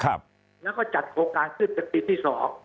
แล้วก็จัดโครงการขึ้นเป็นปีที่๒